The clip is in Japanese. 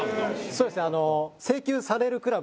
そうですね